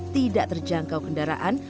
tidak terjangkau kendaraan